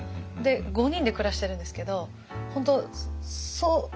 で５人で暮らしてるんですけど本当そう。